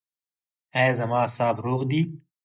ایا زما اعصاب روغ دي؟